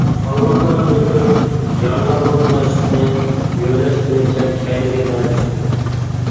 قالماقلار بۇنى كۆرۈپ، يارىلانغان باشلىقنى يۆلەشكىنىچە كەينىگە داجىشتى.